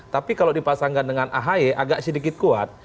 tapi kalau dipasangkan dengan ahy agak sedikit kuat